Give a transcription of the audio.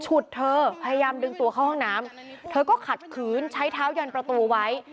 เธอพยายามดึงตัวเข้าห้องน้ำเธอก็ขัดขืนใช้เท้ายันประตูไว้